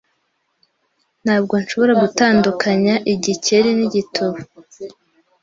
Ntabwo nshobora gutandukanya igikeri nigituba.